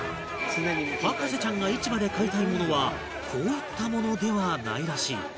博士ちゃんが市場で買いたいものはこういったものではないらしい